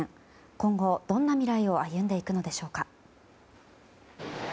今後、どんな未来を歩んでいくのでしょうか。